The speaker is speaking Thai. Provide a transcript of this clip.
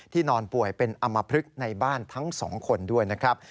นอนป่วยเป็นอำมพลึกในบ้านทั้ง๒คนด้วยนะครับ